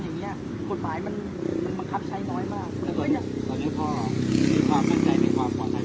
ตอนนี้กำหนังไปคุยของผู้สาวว่ามีคนละตบ